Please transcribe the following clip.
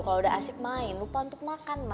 kalau udah asik main lupa untuk makan